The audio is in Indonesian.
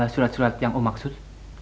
surat surat yang om maksud